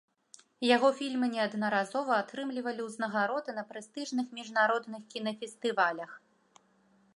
Яго фільмы неаднаразова атрымлівалі ўзнагароды на прэстыжных міжнародных кінафестывалях.